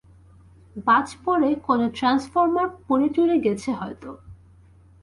বাজ পড়ে কোনো ট্রান্সফরমার পুড়েটুড়ে গেছে হয়তো।